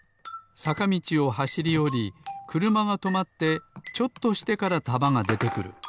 さかみちをはしりおりくるまがとまってちょっとしてからたまがでてくる。